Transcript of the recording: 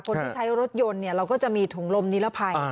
คนที่ใช้รถยนต์เราก็จะมีถุงลมนิรภัย